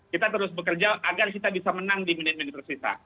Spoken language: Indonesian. kita terus bekerja agar kita bisa menang di menit menit tersisa